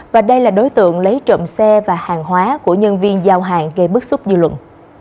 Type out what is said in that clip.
và đây là đối tượng lấy trộm xe và hàng hóa của nhân viên giao hàng gây bức xúc dư luận